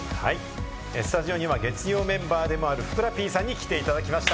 スタジオには月曜メンバーでもある、ふくらＰさんに来ていただきました。